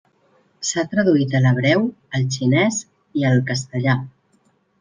S'ha traduït a l'hebreu, el xinès, i al castellà.